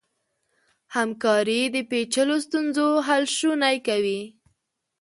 همکاري د پېچلو ستونزو حل شونی کوي.